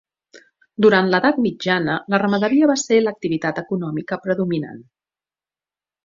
Durant l'edat mitjana, la ramaderia va ser l'activitat econòmica predominant.